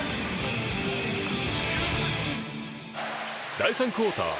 第３クオーター。